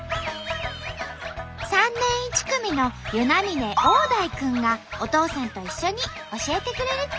３年１組の與那嶺旺大君がお父さんと一緒に教えてくれるって。